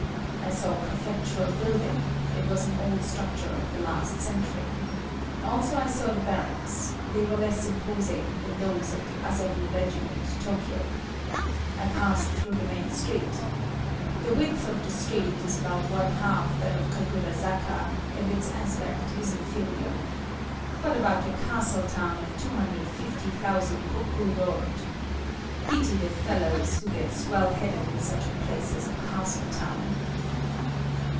I saw prefectural building; it was an old structure of the last century. Also I saw the barracks; they were less imposing than those of the Azabu Regiment, Tokyo. I passed through the main street. The width of the street is about one half that of Kagurazaka, and its aspect is inferior. What about a castle town of 250,000 koku Lord! Pity the fellows who get swell headed in such a place as a castle town!